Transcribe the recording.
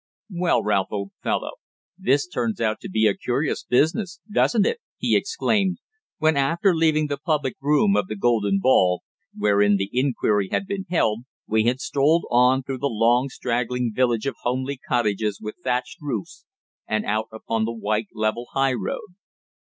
"Well, Ralph, old fellow, this turns out to be a curious business, doesn't it?" he exclaimed, when, after leaving the public room of the Golden Ball, wherein the inquiry had been held, we had strolled on through the long straggling village of homely cottages with thatched roofs, and out upon the white, level highroad.